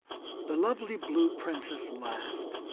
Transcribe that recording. The lovely Blue Princess laughed.